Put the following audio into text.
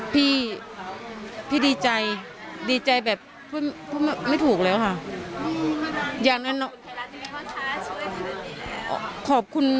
อ๋อพี่พี่ดีใจดีใจแบบไม่ถูกแล้วค่ะอย่างนั้นขอบคุณ